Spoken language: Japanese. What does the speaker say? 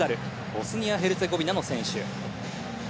ボスニア・ヘルツェゴビナの選手。